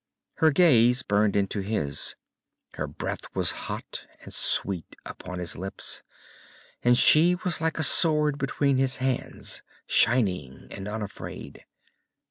Her gaze burned into his. Her breath was hot and sweet upon his lips, and she was like a sword between his hands, shining and unafraid.